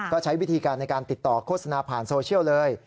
ก็ใช้วิธีการในการติดต่อโฆษณาผ่านโซเชียลเลย